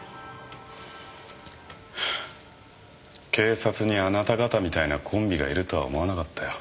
警察にあなた方みたいなコンビがいるとは思わなかったよ。